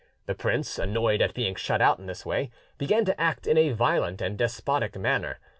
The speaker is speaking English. The prince, annoyed at being shut out in this way, began to act in a violent and despotic manner.